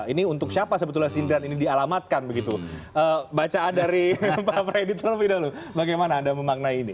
ini untuk siapa sebetulnya sindiran ini dialamatkan begitu bacaan dari pak freddy terlebih dahulu bagaimana anda memaknai ini